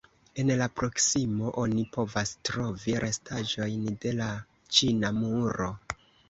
En la proksimo, oni povas trovi restaĵojn de la Ĉina muro.